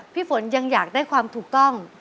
พี่ฝนยังอยากได้ความถูกต้อง